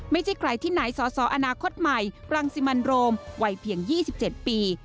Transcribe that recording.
ไม่ใช่ใครที่ไหนสอสออนาคตใหม่รังสิมันโรมวัยเพียง๒๗ปี